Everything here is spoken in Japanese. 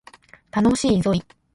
楽しいぞい